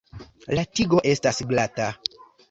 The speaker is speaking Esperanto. La tigo estas glata.